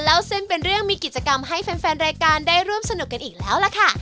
แล้วเส้นเป็นเรื่องมีกิจกรรมให้แฟนรายการได้ร่วมสนุกกันอีกแล้วล่ะค่ะ